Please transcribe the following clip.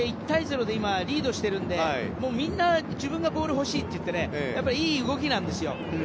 １対０で今、リードしているのでみんな、自分がボール欲しいっていっていい動きなんですよ。